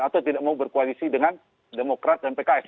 atau tidak mau berkoalisi dengan demokrat dan pks